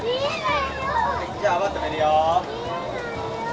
見えないよー。